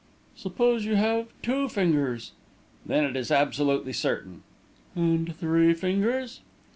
"Suppose you have two fingers?" "Then it is absolutely certain." "And three fingers?"